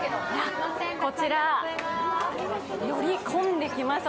こちら、より混んできました。